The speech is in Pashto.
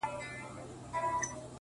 موږ په تيارو كي اوسېدلي يو تيارې خوښـوو؛